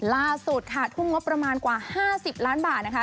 ล่าสุดค่ะทุ่มงบประมาณกว่า๕๐ล้านบาทนะคะ